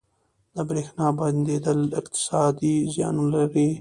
• د برېښنا بندیدل اقتصادي زیانونه لري.